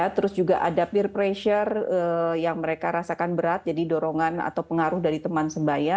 terus juga ada peer pressure yang mereka rasakan berat jadi dorongan atau pengaruh dari teman sebaya